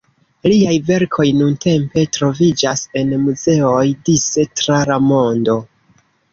Liaj verkoj nuntempe troviĝas en muzeoj dise tra la mondo.